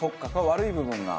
悪い部分が。